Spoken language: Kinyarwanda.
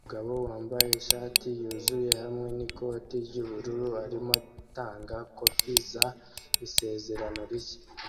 Umugabo wambaye ishati yuzuye hamwe n'ikoti ry'ubururu arimo atanga kopi za "Isezerano Rishya"